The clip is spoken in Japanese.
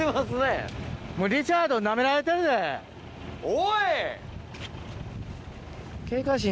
おい！